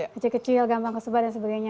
kecil kecil gampang kesebar dan sebagainya